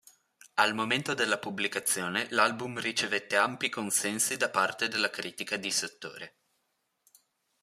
Al momento della pubblicazione l'album ricevette ampi consensi da parte della critica di settore.